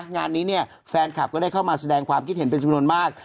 งานนี้เนี่ยแฟนคลับก็ได้เข้ามาแสดงความคิดเห็นเป็นจำนวนมาก